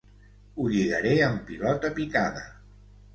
Ho lligaré en pilota picada.